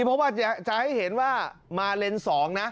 ก็จะให้เห็นว่ามาเลนส์๒นะ